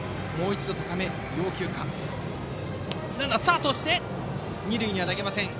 ランナー、スタートしたが二塁には投げませんでした。